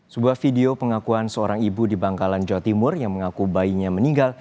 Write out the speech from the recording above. sebuah video pengakuan seorang ibu di bangkalan jawa timur yang mengaku bayinya meninggal